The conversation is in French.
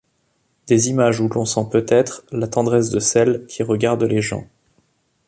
Des images où l'on sent peut-être la tendresse de celle qui regarde les gens.